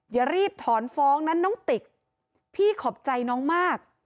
อย่ารีบถอนฟ้องนะน้องติกพี่ขอบใจน้องมาก